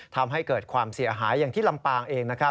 ทำให้เกิดความเสียหายอย่างที่ลำปางเอง